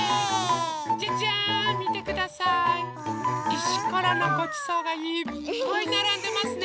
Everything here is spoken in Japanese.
いしころのごちそうがいっぱいならんでますね。